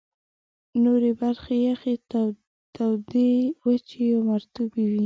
نورې برخې یخي، تودې، وچي یا مرطوبې وې.